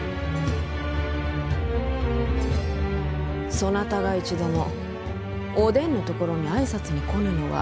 そなたが一度もお伝のところに挨拶に来ぬのは？